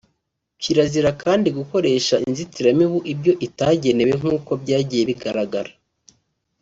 Kirazira kandi gukoresha inzitiramibu ibyo itagenewe nk’uko byagiye bigaragara